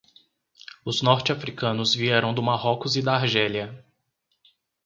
Os norte-africanos vieram do Marrocos e da Argélia.